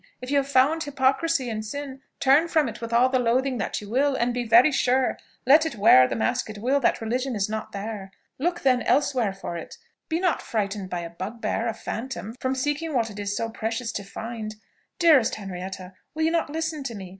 If you have found hypocrisy and sin, turn from it with all the loathing that you will; and be very sure, let it wear what mask it will, that religion is not there. Look then elsewhere for it. Be not frightened by a bugbear, a phantom, from seeking what it is so precious to find! Dearest Henrietta! will you not listen to me?